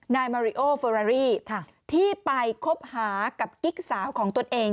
นายมาริโอเฟอรารี่ที่ไปคบหากับกิ๊กสาวของตนเอง